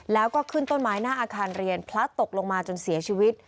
แล้วก็ขึ้นต้นไม้หน้าอาคารเรียนพลัดตกลงมาจนเสียชีวิต